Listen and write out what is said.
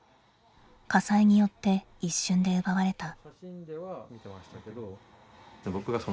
火災によって一瞬で奪われた。